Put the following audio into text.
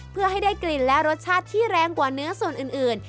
เพื่อให้ได้กลิ่นและรสชาติที่แรงกว่าเนื้อส่วนอื่น